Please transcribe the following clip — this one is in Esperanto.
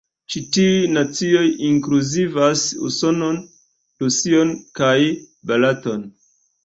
Ĉi tiuj nacioj inkluzivas Usonon, Rusion, kaj Baraton.